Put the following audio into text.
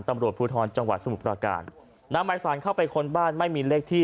ตำรวจภูทรจังหวัดสมุทรประการนำหมายสารเข้าไปค้นบ้านไม่มีเลขที่